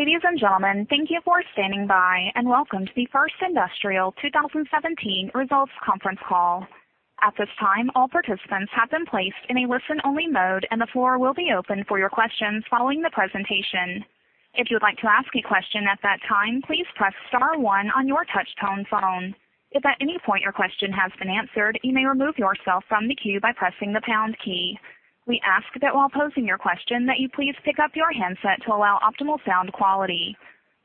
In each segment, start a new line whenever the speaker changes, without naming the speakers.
Ladies and gentlemen, thank you for standing by, and welcome to the First Industrial 2017 results conference call. At this time, all participants have been placed in a listen-only mode, and the floor will be open for your questions following the presentation. If you'd like to ask a question at that time, please press star one on your touch-tone phone. If at any point your question has been answered, you may remove yourself from the queue by pressing the pound key. We ask that while posing your question that you please pick up your handset to allow optimal sound quality.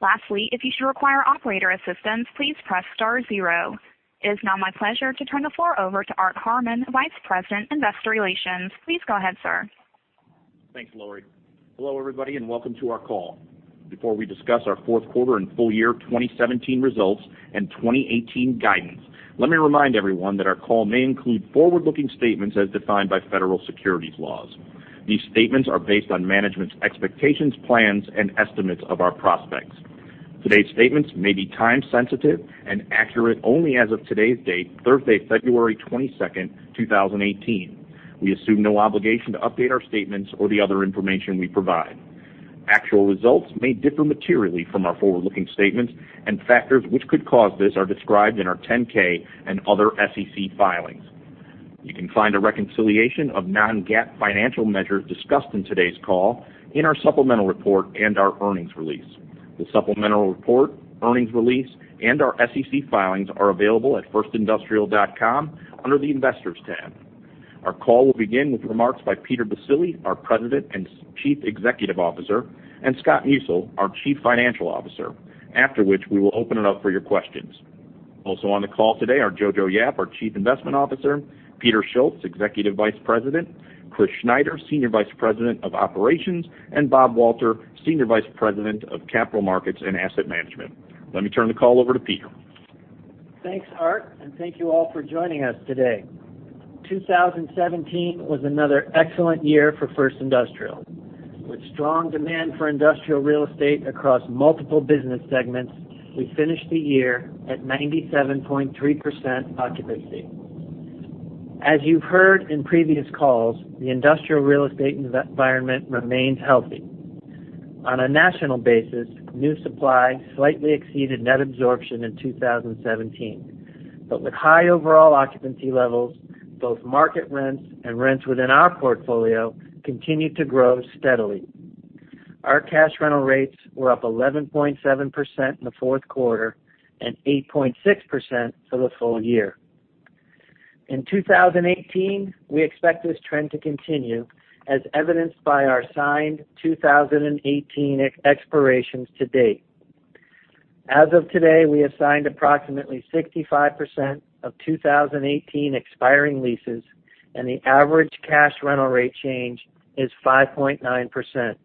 Lastly, if you should require operator assistance, please press star zero. It is now my pleasure to turn the floor over to Art Harmon, Vice President, Investor Relations. Please go ahead, sir.
Thanks, Lori. Hello, everybody, and welcome to our call. Before we discuss our fourth quarter and full year 2017 results and 2018 guidance, let me remind everyone that our call may include forward-looking statements as defined by federal securities laws. These statements are based on management's expectations, plans, and estimates of our prospects. Today's statements may be time sensitive and accurate only as of today's date, Thursday, February 22nd, 2018. We assume no obligation to update our statements or the other information we provide. Actual results may differ materially from our forward-looking statements, and factors which could cause this are described in our 10-K and other SEC filings. You can find a reconciliation of non-GAAP financial measures discussed in today's call in our supplemental report and our earnings release. The supplemental report, earnings release, and our SEC filings are available at firstindustrial.com under the Investors tab. Our call will begin with remarks by Peter Baccile, our President and Chief Executive Officer, and Scott Musil, our Chief Financial Officer, after which we will open it up for your questions. Also on the call today are Jojo Yap, our Chief Investment Officer, Peter Schultz, Executive Vice President, Chris Schneider, Senior Vice President of Operations, and Bob Walter, Senior Vice President of Capital Markets and Asset Management. Let me turn the call over to Peter.
Thanks, Art, and thank you all for joining us today. 2017 was another excellent year for First Industrial. With strong demand for industrial real estate across multiple business segments, we finished the year at 97.3% occupancy. As you've heard in previous calls, the industrial real estate environment remains healthy. On a national basis, new supply slightly exceeded net absorption in 2017. With high overall occupancy levels, both market rents and rents within our portfolio continued to grow steadily. Our cash rental rates were up 11.7% in the fourth quarter and 8.6% for the full year. In 2018, we expect this trend to continue, as evidenced by our signed 2018 expirations to date. As of today, we have signed approximately 65% of 2018 expiring leases, and the average cash rental rate change is 5.9%.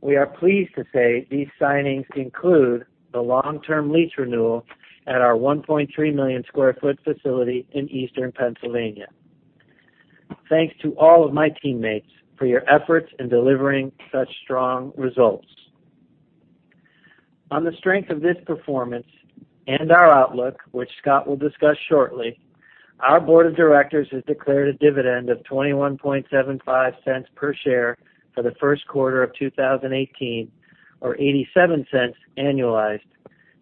We are pleased to say these signings include the long-term lease renewal at our 1.3 million square foot facility in Eastern Pennsylvania. Thanks to all of my teammates for your efforts in delivering such strong results. On the strength of this performance and our outlook, which Scott will discuss shortly, our board of directors has declared a dividend of $0.2175 per share for the first quarter of 2018, or $0.87 annualized,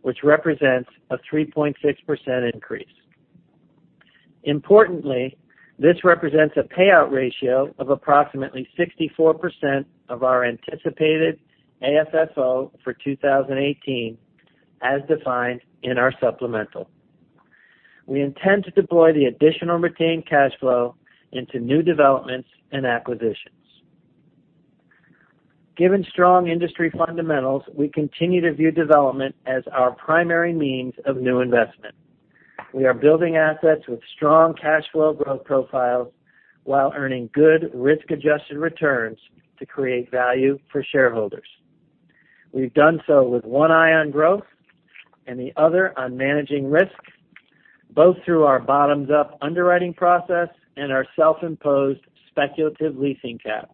which represents a 3.6% increase. Importantly, this represents a payout ratio of approximately 64% of our anticipated AFFO for 2018, as defined in our supplemental. We intend to deploy the additional retained cash flow into new developments and acquisitions. Given strong industry fundamentals, we continue to view development as our primary means of new investment. We are building assets with strong cash flow growth profiles while earning good risk-adjusted returns to create value for shareholders. We've done so with one eye on growth and the other on managing risk, both through our bottoms-up underwriting process and our self-imposed speculative leasing cap.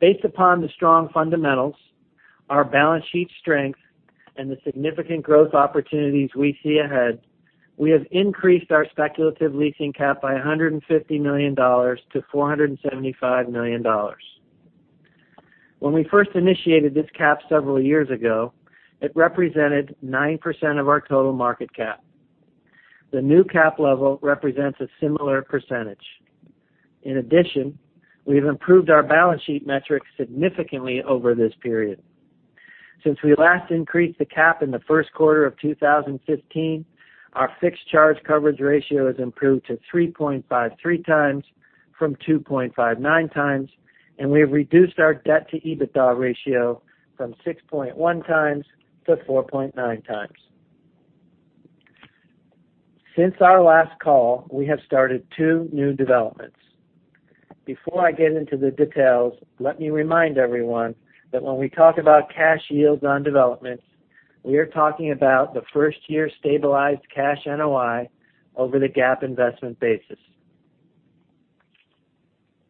Based upon the strong fundamentals, our balance sheet strength, and the significant growth opportunities we see ahead, we have increased our speculative leasing cap by $150 million to $475 million. When we first initiated this cap several years ago, it represented 9% of our total market cap. The new cap level represents a similar percentage. In addition, we've improved our balance sheet metrics significantly over this period. Since we last increased the cap in the first quarter of 2015, our fixed charge coverage ratio has improved to 3.53 times from 2.59 times, and we have reduced our debt to EBITDA ratio from 6.1 times to 4.9 times. Since our last call, we have started two new developments. Before I get into the details, let me remind everyone that when we talk about cash yields on developments, we are talking about the first-year stabilized cash NOI over the GAAP investment basis.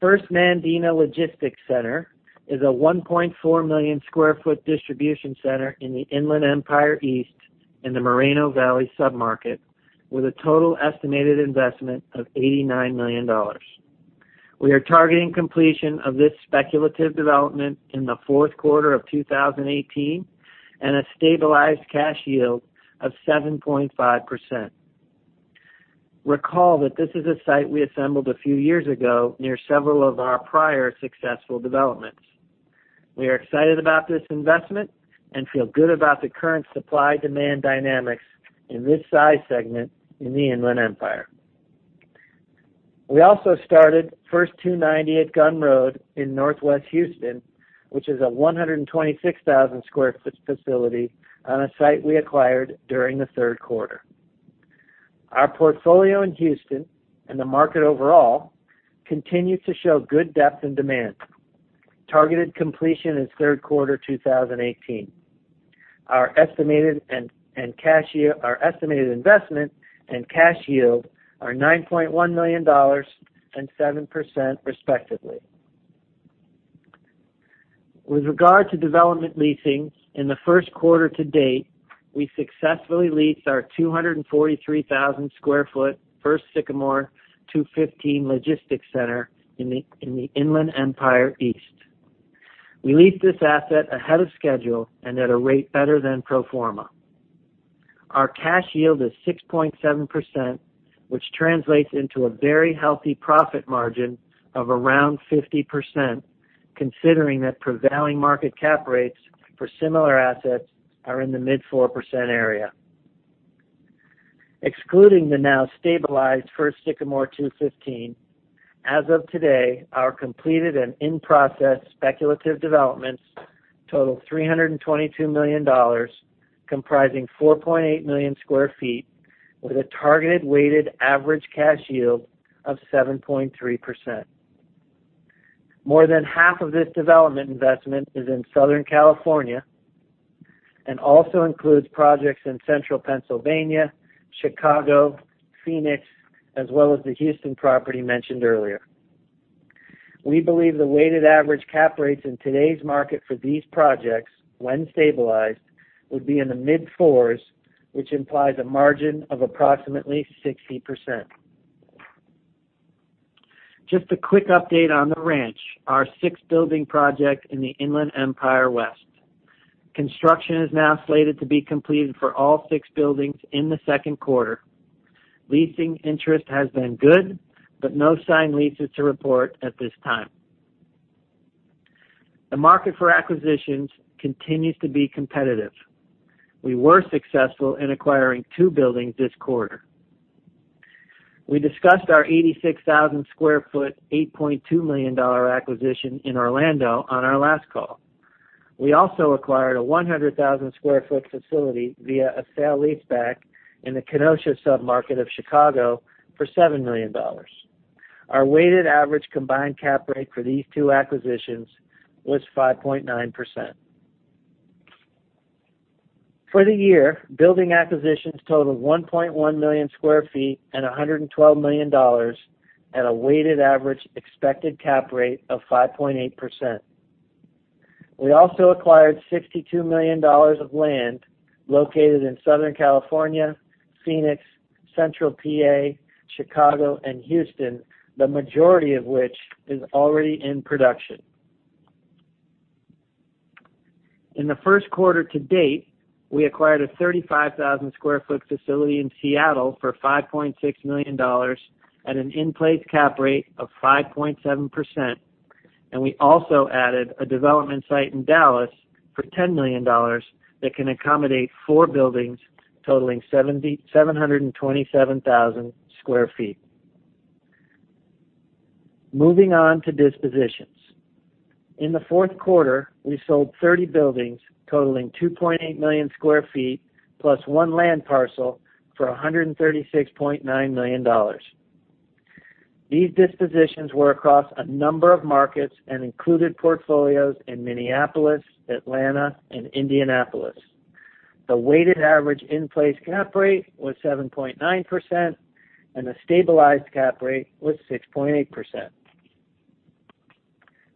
First Nandina Logistics Center is a 1.4 million square foot distribution center in the Inland Empire East in the Moreno Valley submarket with a total estimated investment of $89 million. We are targeting completion of this speculative development in the fourth quarter of 2018, and a stabilized cash yield of 7.5%. Recall that this is a site we assembled a few years ago near several of our prior successful developments. We are excited about this investment and feel good about the current supply-demand dynamics in this size segment in the Inland Empire. We also started First 290 at Guhn Road in Northwest Houston, which is a 126,000 square foot facility on a site we acquired during the third quarter. Our portfolio in Houston, and the market overall, continues to show good depth and demand. Targeted completion is third quarter 2018. Our estimated investment and cash yield are $9.1 million and 7%, respectively. With regard to development leasing in the first quarter to date, we successfully leased our 243,000 square foot First Sycamore 215 Logistics Center in the Inland Empire East. We leased this asset ahead of schedule and at a rate better than pro forma. Our cash yield is 6.7%, which translates into a very healthy profit margin of around 50%, considering that prevailing market cap rates for similar assets are in the mid 4% area. Excluding the now stabilized First Sycamore 215, as of today, our completed and in-process speculative developments total $322 million, comprising 4.8 million square feet, with a targeted weighted average cash yield of 7.3%. More than half of this development investment is in Southern California, and also includes projects in Central Pennsylvania, Chicago, Phoenix, as well as the Houston property mentioned earlier. We believe the weighted average cap rates in today's market for these projects, when stabilized, would be in the mid fours, which implies a margin of approximately 60%. Just a quick update on The Ranch, our six-building project in the Inland Empire West. Construction is now slated to be completed for all six buildings in the second quarter. Leasing interest has been good, but no signed leases to report at this time. The market for acquisitions continues to be competitive. We were successful in acquiring two buildings this quarter. We discussed our 86,000 sq ft, $8.2 million acquisition in Orlando on our last call. We also acquired a 100,000 sq ft facility via a sale leaseback in the Kenosha submarket of Chicago for $7 million. Our weighted average combined cap rate for these two acquisitions was 5.9%. For the year, building acquisitions totaled 1.1 million sq ft and $112 million at a weighted average expected cap rate of 5.8%. We also acquired $62 million of land located in Southern California, Phoenix, Central PA, Chicago, and Houston, the majority of which is already in production. In the first quarter to date, we acquired a 35,000 sq ft facility in Seattle for $5.6 million at an in-place cap rate of 5.7%, and we also added a development site in Dallas for $10 million that can accommodate four buildings totaling 727,000 sq ft. Moving on to dispositions. In the fourth quarter, we sold 30 buildings totaling 2.8 million sq ft, plus one land parcel, for $136.9 million. These dispositions were across a number of markets and included portfolios in Minneapolis, Atlanta, and Indianapolis. The weighted average in-place cap rate was 7.9%, and the stabilized cap rate was 6.8%.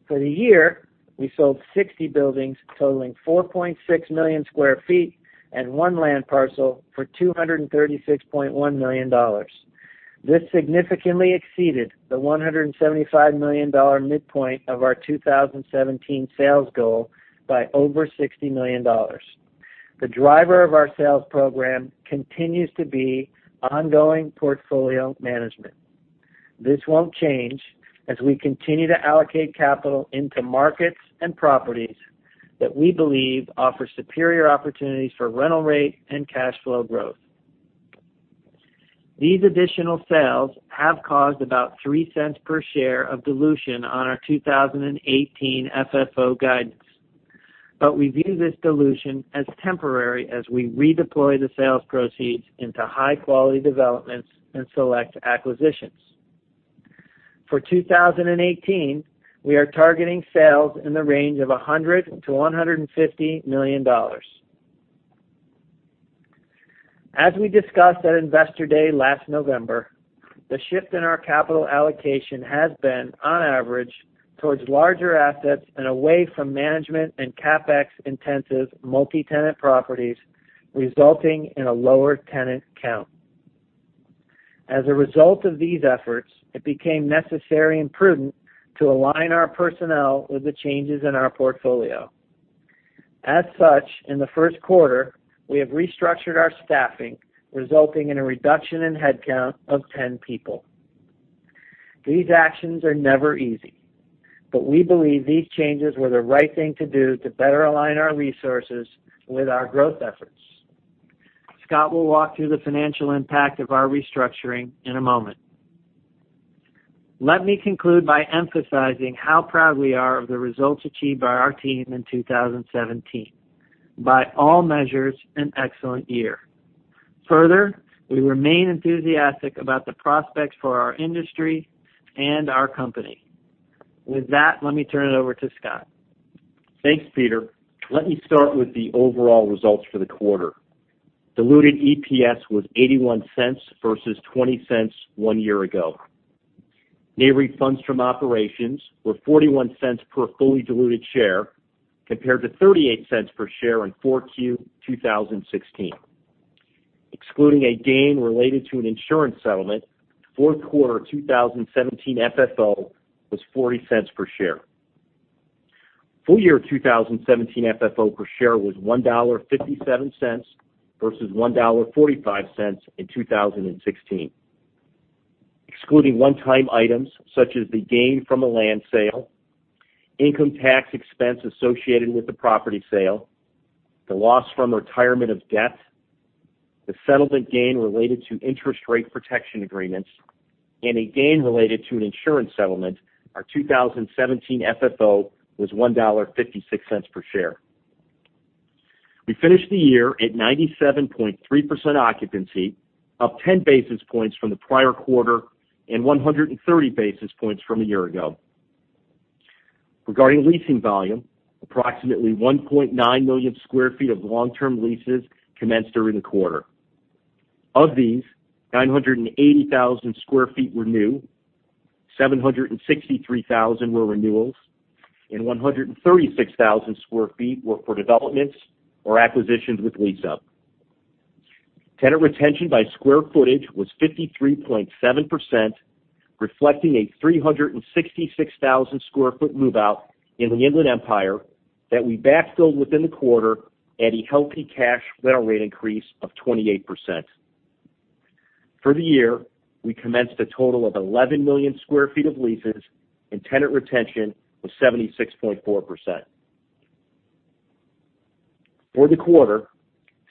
For the year, we sold 60 buildings totaling 4.6 million sq ft and one land parcel for $236.1 million. This significantly exceeded the $175 million midpoint of our 2017 sales goal by over $60 million. The driver of our sales program continues to be ongoing portfolio management. This won't change as we continue to allocate capital into markets and properties that we believe offer superior opportunities for rental rate and cash flow growth. These additional sales have caused about $0.03 per share of dilution on our 2018 FFO guidance. We view this dilution as temporary as we redeploy the sales proceeds into high-quality developments and select acquisitions. For 2018, we are targeting sales in the range of $100 million-$150 million. As we discussed at Investor Day last November, the shift in our capital allocation has been, on average, towards larger assets and away from management and CapEx intensive multi-tenant properties resulting in a lower tenant count. As a result of these efforts, it became necessary and prudent to align our personnel with the changes in our portfolio. As such, in the first quarter, we have restructured our staffing, resulting in a reduction in headcount of 10 people. These actions are never easy, but we believe these changes were the right thing to do to better align our resources with our growth efforts. Scott will walk through the financial impact of our restructuring in a moment. Let me conclude by emphasizing how proud we are of the results achieved by our team in 2017. By all measures, an excellent year. We remain enthusiastic about the prospects for our industry and our company. With that, let me turn it over to Scott.
Thanks, Peter. Let me start with the overall results for the quarter. Diluted EPS was $0.81 versus $0.20 one year ago. NAREIT funds from operations were $0.41 per fully diluted share, compared to $0.38 per share in 4Q 2016. Excluding a gain related to an insurance settlement, fourth quarter 2017 FFO was $0.40 per share. Full year 2017 FFO per share was $1.57 versus $1.45 in 2016. Excluding one-time items such as the gain from a land sale, income tax expense associated with the property sale, the loss from retirement of debt, the settlement gain related to interest rate protection agreements, and a gain related to an insurance settlement, our 2017 FFO was $1.56 per share. We finished the year at 97.3% occupancy, up 10 basis points from the prior quarter and 130 basis points from a year ago. Regarding leasing volume, approximately 1.9 million square feet of long-term leases commenced during the quarter. Of these, 980,000 square feet were new, 763,000 were renewals, and 136,000 square feet were for developments or acquisitions with lease up. Tenant retention by square footage was 53.7%, reflecting a 366,000 square foot move-out in the Inland Empire that we backfilled within the quarter at a healthy cash rental rate increase of 28%. For the year, we commenced a total of 11 million square feet of leases and tenant retention was 76.4%. For the quarter,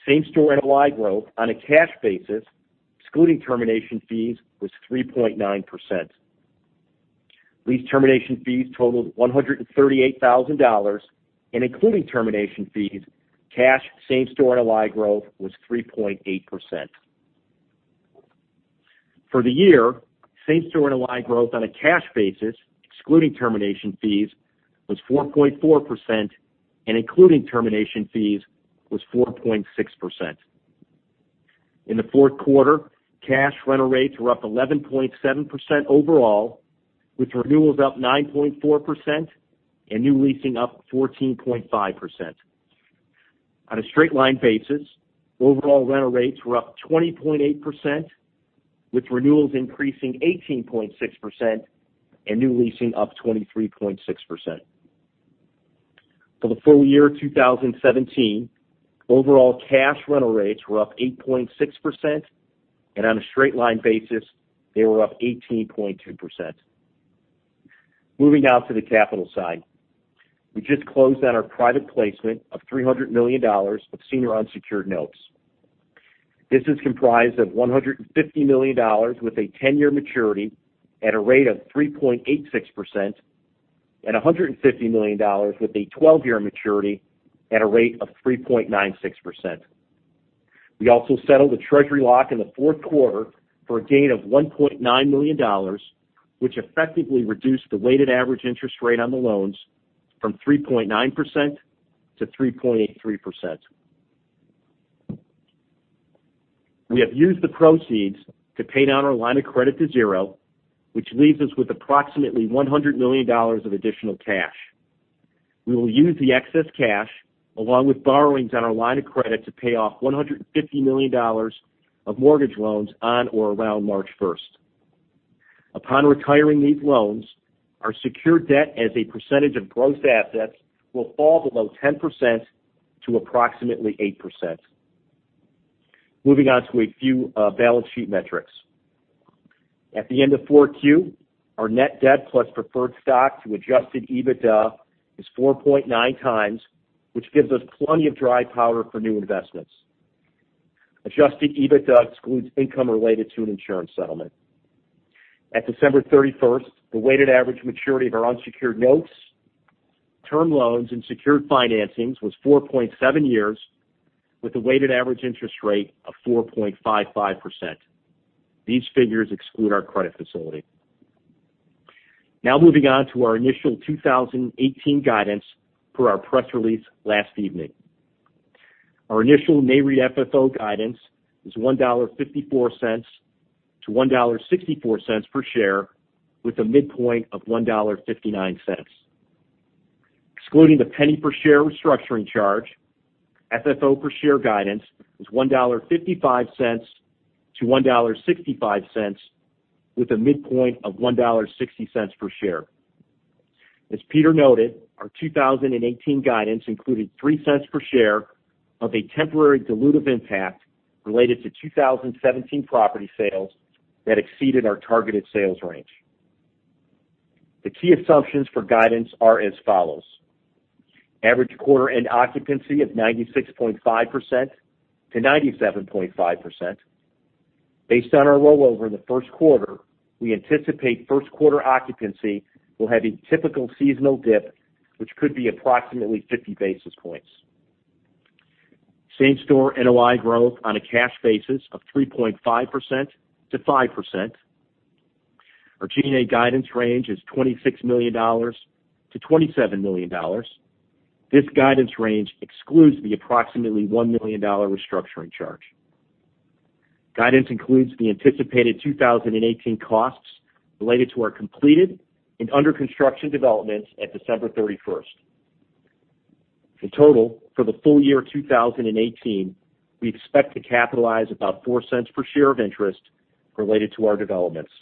same-store NOI growth on a cash basis, excluding termination fees, was 3.9%. Lease termination fees totaled $138,000, and including termination fees, cash same-store NOI growth was 3.8%. For the year, same-store NOI growth on a cash basis, excluding termination fees, was 4.4%, and including termination fees, was 4.6%. In the fourth quarter, cash rental rates were up 11.7% overall, with renewals up 9.4% and new leasing up 14.5%. On a straight-line basis, overall rental rates were up 20.8%, with renewals increasing 18.6% and new leasing up 23.6%. For the full year 2017, overall cash rental rates were up 8.6%, and on a straight-line basis, they were up 18.2%. Moving now to the capital side. We just closed on our private placement of $300 million of senior unsecured notes. This is comprised of $150 million with a 10-year maturity at a rate of 3.86%, and $150 million with a 12-year maturity at a rate of 3.96%. We also settled a treasury lock in the fourth quarter for a gain of $1.9 million, which effectively reduced the weighted average interest rate on the loans from 3.9% to 3.83%. We have used the proceeds to pay down our line of credit to zero, which leaves us with approximately $100 million of additional cash. We will use the excess cash along with borrowings on our line of credit to pay off $150 million of mortgage loans on or around March 1st. Upon retiring these loans, our secured debt as a percentage of gross assets will fall below 10% to approximately 8%. Moving on to a few balance sheet metrics. At the end of 4Q, our net debt plus preferred stock to adjusted EBITDA is 4.9 times, which gives us plenty of dry powder for new investments. Adjusted EBITDA excludes income related to an insurance settlement. At December 31st, the weighted average maturity of our unsecured notes, term loans, and secured financings was 4.7 years, with a weighted average interest rate of 4.55%. These figures exclude our credit facility. Moving on to our initial 2018 guidance per our press release last evening. Our initial NAREIT FFO guidance is $1.54 to $1.64 per share, with a midpoint of $1.59. Excluding the penny per share restructuring charge, FFO per share guidance is $1.55 to $1.65, with a midpoint of $1.60 per share. As Peter noted, our 2018 guidance included $0.03 per share of a temporary dilutive impact related to 2017 property sales that exceeded our targeted sales range. The key assumptions for guidance are as follows. Average quarter-end occupancy of 96.5%-97.5%. Based on our rollover in the first quarter, we anticipate first quarter occupancy will have a typical seasonal dip, which could be approximately 50 basis points. Same store NOI growth on a cash basis of 3.5%-5%. Our G&A guidance range is $26 million-$27 million. This guidance range excludes the approximately $1 million restructuring charge. Guidance includes the anticipated 2018 costs related to our completed and under-construction developments at December 31st. In total, for the full year 2018, we expect to capitalize about $0.04 per share of interest related to our developments.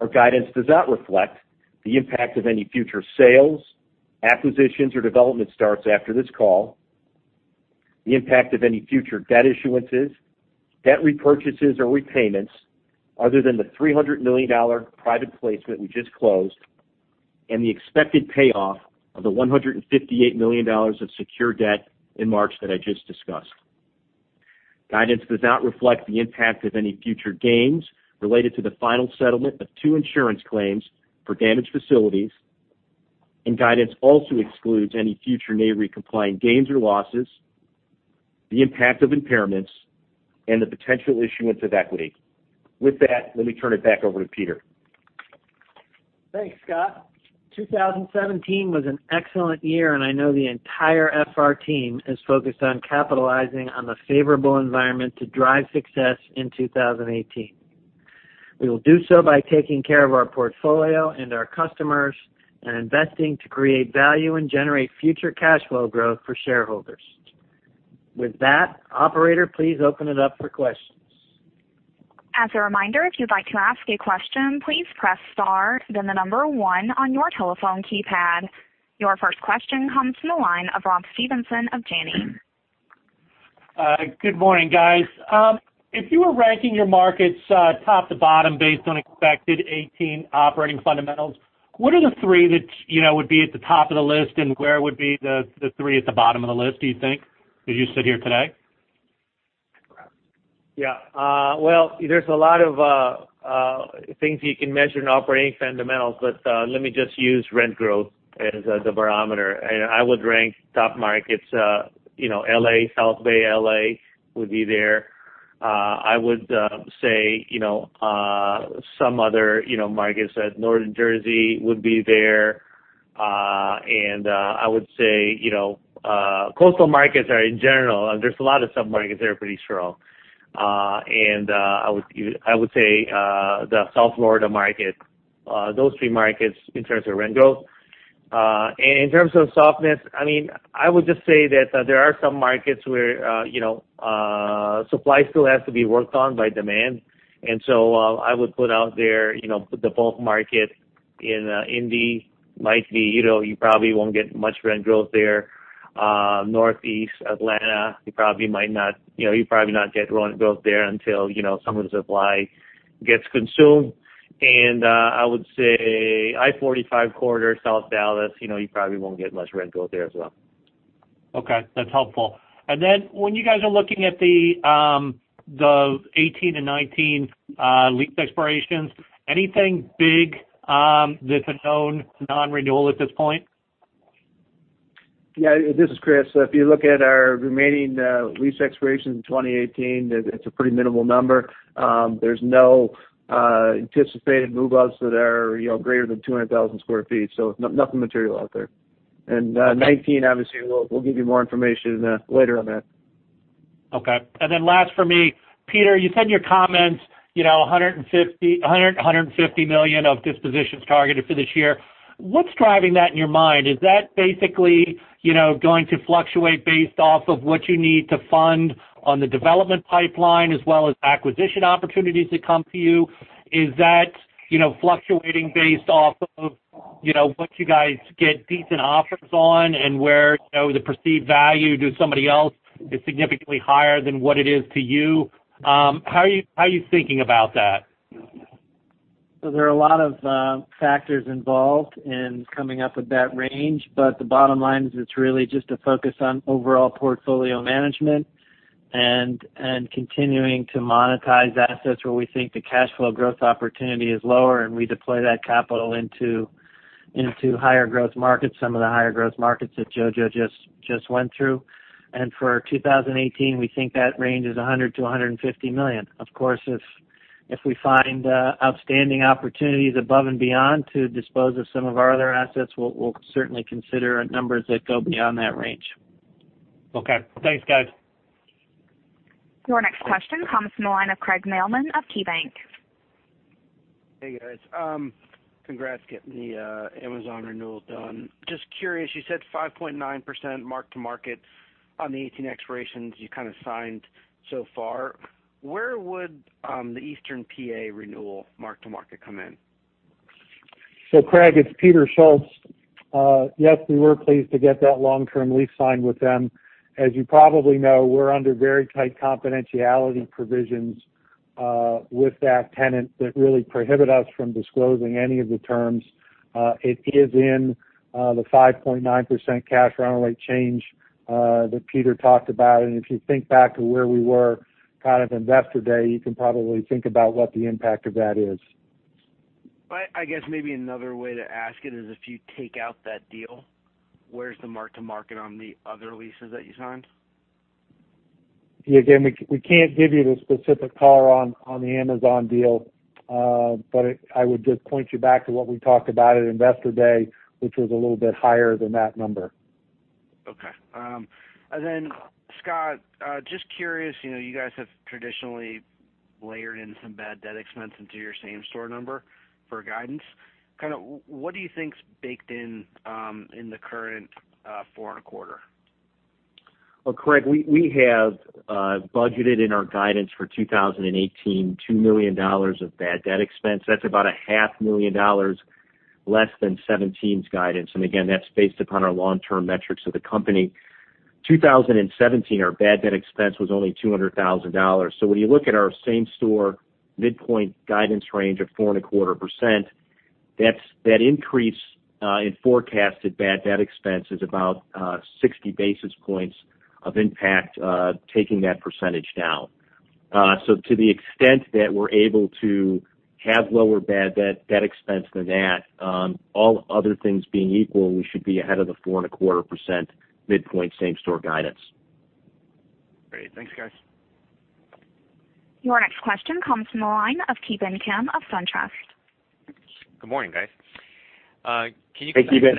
Our guidance does not reflect the impact of any future sales, acquisitions, or development starts after this call, the impact of any future debt issuances, debt repurchases, or repayments, other than the $300 million private placement we just closed, and the expected payoff of the $158 million of secure debt in March that I just discussed. Guidance does not reflect the impact of any future gains related to the final settlement of two insurance claims for damaged facilities. Guidance also excludes any future NAREIT-compliant gains or losses, the impact of impairments, and the potential issuance of equity. With that, let me turn it back over to Peter.
Thanks, Scott. 2017 was an excellent year. I know the entire FR team is focused on capitalizing on the favorable environment to drive success in 2018. We will do so by taking care of our portfolio and our customers and investing to create value and generate future cash flow growth for shareholders. With that, operator, please open it up for questions.
As a reminder, if you'd like to ask a question, please press star then the number one on your telephone keypad. Your first question comes from the line of Rob Stevenson of Janney.
Good morning, guys. If you were ranking your markets top to bottom based on expected 2018 operating fundamentals, what are the three that would be at the top of the list? Where would be the three at the bottom of the list, do you think, as you sit here today?
Yeah. Well, there's a lot of things you can measure in operating fundamentals, but let me just use rent growth as the barometer. I would rank top markets, L.A., South Bay L.A. would be there. I would say some other markets. Northern Jersey would be there. I would say coastal markets are in general. There's a lot of sub-markets that are pretty strong. I would say the South Florida market. Those three markets in terms of rent growth. In terms of softness, I would just say that there are some markets where supply still has to be worked on by demand. So I would put out there the bulk market in Indy might be you probably won't get much rent growth there. Northeast Atlanta, you'd probably not get rent growth there until some of the supply gets consumed. I would say I-45 corridor, South Dallas, you probably won't get much rent growth there as well.
Okay, that's helpful. When you guys are looking at the 2018 and 2019 lease expirations, anything big that's a known non-renewal at this point?
Yeah, this is Chris. If you look at our remaining lease expirations in 2018, it's a pretty minimal number. There's no anticipated move-outs that are greater than 200,000 sq ft, so nothing material out there. 2019, obviously, we'll give you more information later on that.
Okay. Last for me. Peter, you said in your comments $100 million-$150 million of dispositions targeted for this year. What's driving that in your mind? Is that basically going to fluctuate based off of what you need to fund on the development pipeline as well as acquisition opportunities that come to you? Is that fluctuating based off of what you guys get decent offers on and where the perceived value to somebody else is significantly higher than what it is to you? How are you thinking about that?
There are a lot of factors involved in coming up with that range. The bottom line is it's really just a focus on overall portfolio management and continuing to monetize assets where we think the cash flow growth opportunity is lower, and we deploy that capital into higher growth markets, some of the higher growth markets that Jojo just went through. For 2018, we think that range is $100 million-$150 million. Of course, if we find outstanding opportunities above and beyond to dispose of some of our other assets, we'll certainly consider numbers that go beyond that range.
Okay. Thanks, guys.
Your next question comes from the line of Craig Mailman of KeyBanc.
Hey, guys. Congrats getting the Amazon renewal done. Curious, you said 5.9% mark-to-market on the 18 expirations you signed so far. Where would the Eastern P.A. renewal mark-to-market come in?
Craig, it's Peter Schultz. Yes, we were pleased to get that long-term lease signed with them. As you probably know, we're under very tight confidentiality provisions with that tenant that really prohibit us from disclosing any of the terms. It is in the 5.9% cash run rate change that Peter talked about, and if you think back to where we were kind of Investor Day, you can probably think about what the impact of that is.
I guess maybe another way to ask it is if you take out that deal, where's the mark-to-market on the other leases that you signed?
Yeah, again, we can't give you the specific color on the Amazon deal. I would just point you back to what we talked about at Investor Day, which was a little bit higher than that number.
Okay. Scott, just curious, you guys have traditionally layered in some bad debt expense into your same store number for guidance. What do you think is baked in the current four and a quarter?
Well, Craig, we have budgeted in our guidance for 2018, $2 million of bad debt expense. That's about a half million dollars less than 2017's guidance. Again, that's based upon our long-term metrics of the company. 2017, our bad debt expense was only $200,000. When you look at our same store midpoint guidance range of 4.25%, that increase in forecasted bad debt expense is about 60 basis points of impact, taking that % down. To the extent that we're able to have lower bad debt expense than that, all other things being equal, we should be ahead of the 4.25% midpoint same store guidance.
Great. Thanks, guys.
Your next question comes from the line of Ki Bin Kim of SunTrust.
Good morning, guys.
Hey, Ki Bin.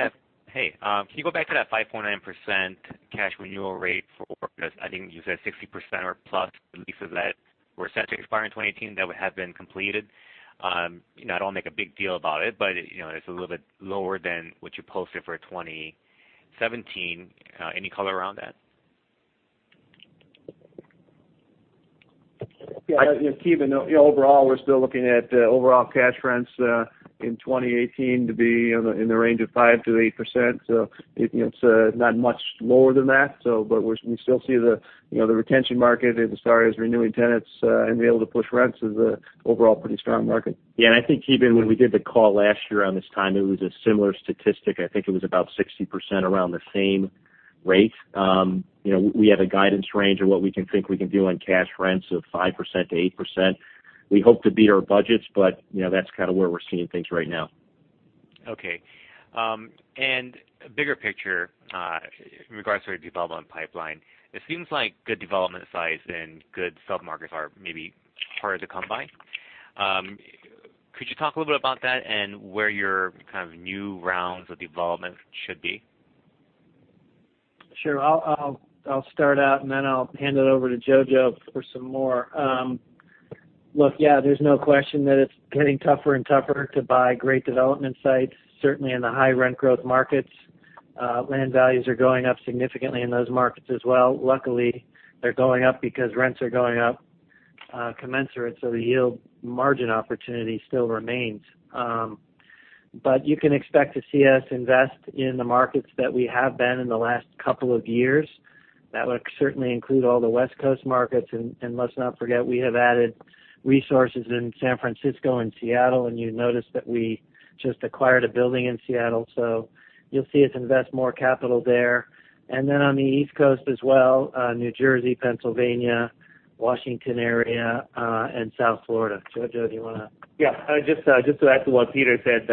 Hey, can you go back to that 5.9% cash renewal rate because I think you said 60% or plus leases that were set to expire in 2018 that have been completed. I don't want to make a big deal about it's a little bit lower than what you posted for 2017. Any color around that?
Yeah. Ki Bin, overall, we're still looking at overall cash rents in 2018 to be in the range of 5%-8%. It's not much lower than that, we still see the retention market as far as renewing tenants and being able to push rents is an overall pretty strong market.
Yeah, I think, Ki Bin, when we did the call last year around this time, it was a similar statistic. I think it was about 60% around the same rate. We have a guidance range of what we think we can do on cash rents of 5%-8%. We hope to beat our budgets, that's kind of where we're seeing things right now.
Okay. Bigger picture, in regards to your development pipeline, it seems like good development size and good sub-markets are maybe harder to come by. Could you talk a little bit about that and where your kind of new rounds of development should be?
Sure. I'll start out, then I'll hand it over to Jojo for some more. Look, yeah, there's no question that it's getting tougher and tougher to buy great development sites, certainly in the high rent growth markets. Land values are going up significantly in those markets as well. Luckily, they're going up because rents are going up commensurate, so the yield margin opportunity still remains. You can expect to see us invest in the markets that we have been in the last couple of years. That would certainly include all the West Coast markets, let's not forget, we have added resources in San Francisco and Seattle, you noticed that we just acquired a building in Seattle, so you'll see us invest more capital there. Then on the East Coast as well, New Jersey, Pennsylvania, Washington area, and South Florida. Jojo, do you want to-
Yeah, just to add to what Peter said,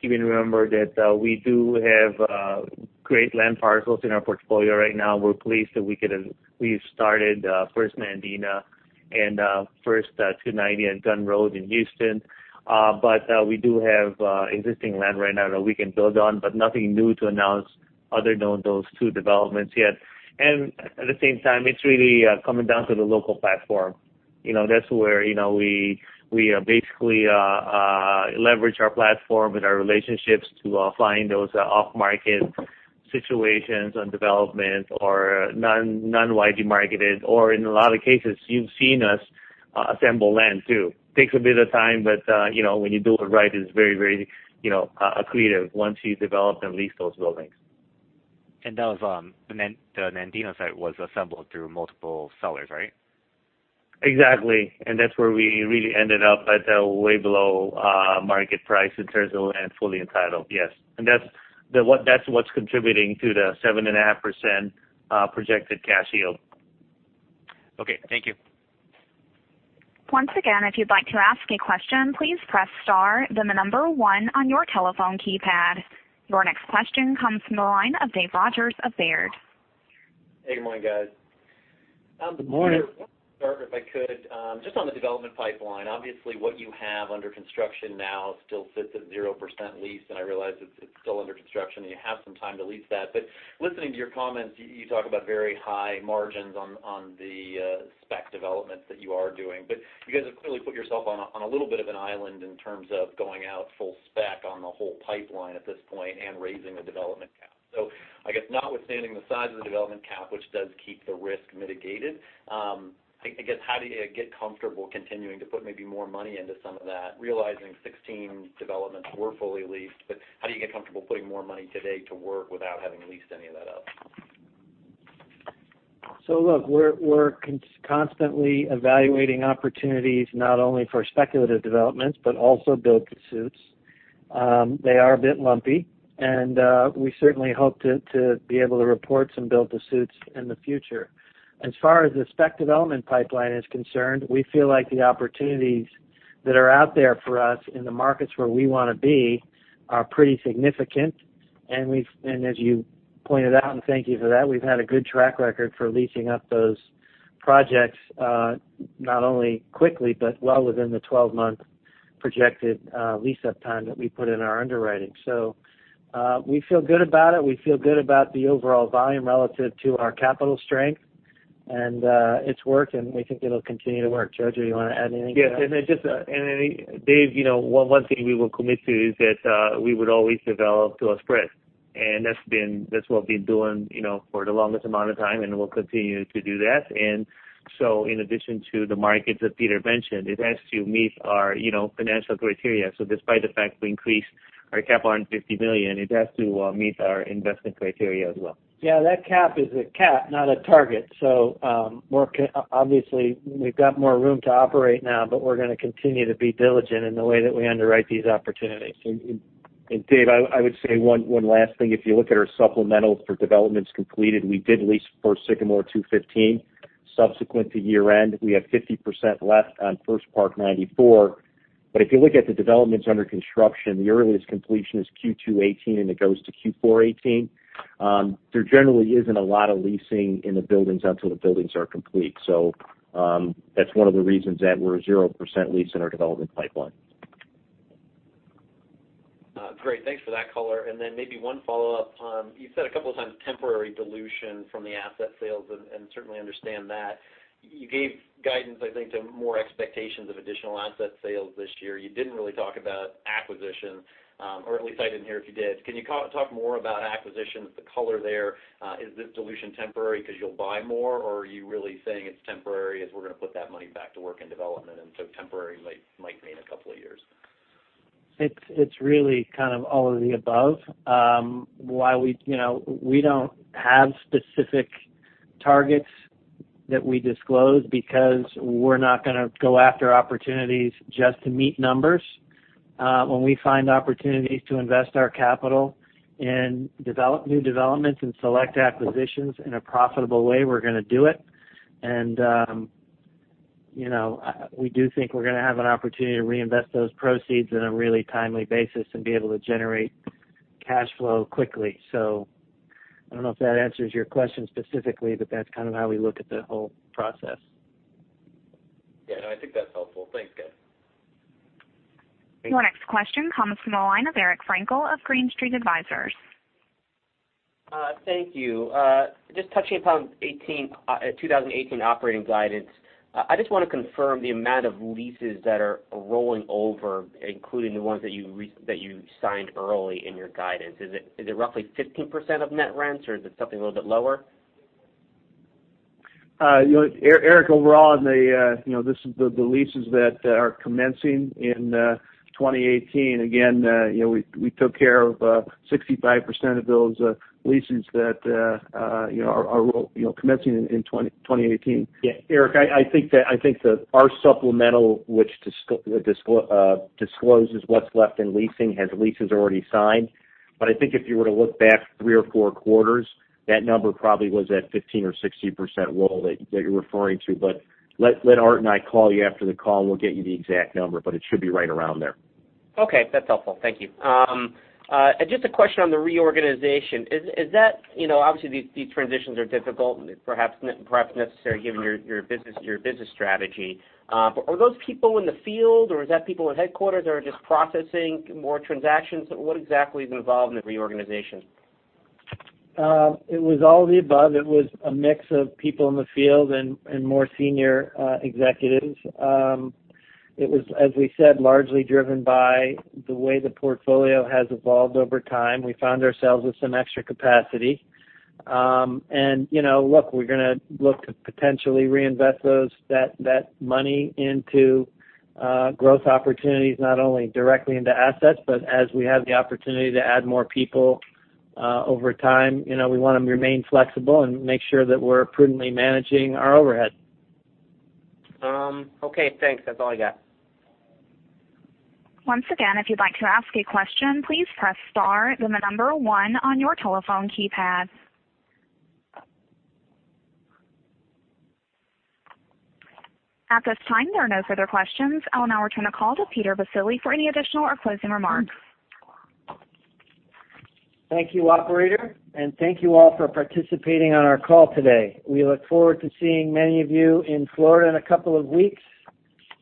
Ki Bin, remember that we do have great land parcels in our portfolio right now. We're pleased that we've started First Nandina and First 290 and Guhn Road in Houston. We do have existing land right now that we can build on, but nothing new to announce other than those two developments yet. At the same time, it's really coming down to the local platform. That's where we basically leverage our platform and our relationships to find those off-market situations on development or non-widely marketed, or in a lot of cases, you've seen us assemble land, too. Takes a bit of time, but when you do it right, it's very creative once you develop and lease those buildings.
That was, the Nandina site was assembled through multiple sellers, right?
Exactly. That's where we really ended up at way below market price in terms of land fully entitled, yes. That's what's contributing to the 7.5% projected cash yield.
Okay. Thank you.
Once again, if you'd like to ask a question, please press star, then the number 1 on your telephone keypad. Your next question comes from the line of David Rodgers of Baird.
Hey, good morning, guys.
Good morning.
If I could, just on the development pipeline, obviously what you have under construction now still sits at 0% leased, I realize it's still under construction and you have some time to lease that. Listening to your comments, you talk about very high margins on the spec developments that you are doing. You guys have clearly put yourself on a little bit of an island in terms of going out full spec on the whole pipeline at this point and raising the development cap. I guess notwithstanding the size of the development cap, which does keep the risk mitigated, I guess how do you get comfortable continuing to put maybe more money into some of that, realizing 16 developments were fully leased, how do you get comfortable putting more money today to work without having leased any of that up?
Look, we're constantly evaluating opportunities not only for speculative developments, but also build-to-suits. They are a bit lumpy, we certainly hope to be able to report some build-to-suits in the future. As far as the spec development pipeline is concerned, we feel like the opportunities that are out there for us in the markets where we want to be are pretty significant. As you pointed out, and thank you for that, we've had a good track record for leasing up those projects, not only quickly, but well within the 12-month projected lease-up time that we put in our underwriting. We feel good about it. We feel good about the overall volume relative to our capital strength, and it's worked, and we think it'll continue to work. Scott Musil, do you want to add anything to that?
Yes, Dave Rodgers, one thing we will commit to is that we would always develop to a spread. That's what we've been doing for the longest amount of time, and we'll continue to do that. In addition to the markets that Peter mentioned, it has to meet our financial criteria. Despite the fact we increased our cap on $150 million, it has to meet our investment criteria as well.
That cap is a cap, not a target. Obviously, we've got more room to operate now, but we're going to continue to be diligent in the way that we underwrite these opportunities.
Dave, I would say one last thing. If you look at our supplementals for developments completed, we did lease First Sycamore 215 subsequent to year-end. We have 50% left on First Park 94. If you look at the developments under construction, the earliest completion is Q2 2018, and it goes to Q4 2018. There generally isn't a lot of leasing in the buildings until the buildings are complete. That's one of the reasons that we're 0% leased in our development pipeline.
Great. Thanks for that color. Then maybe one follow-up. You said a couple of times temporary dilution from the asset sales, and certainly understand that. You gave guidance, I think, to more expectations of additional asset sales this year. You didn't really talk about acquisitions, or at least I didn't hear if you did. Can you talk more about acquisitions, the color there? Is this dilution temporary because you'll buy more, or are you really saying it's temporary as we're going to put that money back to work in development, and so temporary might mean a couple of years?
It's really kind of all of the above. We don't have specific targets that we disclose because we're not going to go after opportunities just to meet numbers. When we find opportunities to invest our capital in new developments and select acquisitions in a profitable way, we're going to do it. We do think we're going to have an opportunity to reinvest those proceeds in a really timely basis and be able to generate cash flow quickly. I don't know if that answers your question specifically, but that's kind of how we look at the whole process.
Yeah, no, I think that's helpful. Thanks, guys.
Your next question comes from the line of Eric Frankel of Green Street Advisors.
Thank you. Just touching upon 2018 operating guidance. I just want to confirm the amount of leases that are rolling over, including the ones that you signed early in your guidance. Is it roughly 15% of net rents, or is it something a little bit lower?
Eric, overall, the leases that are commencing in 2018, again, we took care of 65% of those leases that are commencing in 2018.
Eric, I think that our supplemental, which discloses what's left in leasing, has leases already signed. I think if you were to look back three or four quarters, that number probably was at 15% or 16% roll that you're referring to. Let Art and I call you after the call, and we'll get you the exact number, but it should be right around there.
That's helpful. Thank you. Just a question on the reorganization. Obviously these transitions are difficult and perhaps necessary given your business strategy. Were those people in the field, or is that people in headquarters that are just processing more transactions? What exactly is involved in the reorganization?
It was all of the above. It was a mix of people in the field and more senior executives. It was, as we said, largely driven by the way the portfolio has evolved over time. We found ourselves with some extra capacity. Look, we're going to look to potentially reinvest that money into growth opportunities, not only directly into assets, but as we have the opportunity to add more people over time. We want to remain flexible and make sure that we're prudently managing our overhead.
Thanks. That's all I got.
Once again, if you'd like to ask a question, please press star, then the number one on your telephone keypad. At this time, there are no further questions. I'll now return the call to Peter Baccile for any additional or closing remarks.
Thank you, operator, and thank you all for participating on our call today. We look forward to seeing many of you in Florida in a couple of weeks.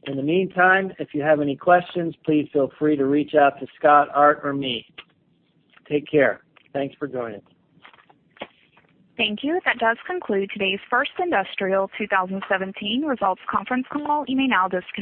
In the meantime, if you have any questions, please feel free to reach out to Scott, Art, or me. Take care. Thanks for joining.
Thank you. That does conclude today's First Industrial 2017 Results Conference Call. You may now disconnect.